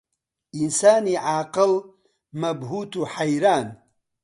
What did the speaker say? ئینسانی عاقڵ مەبهووت و حەیران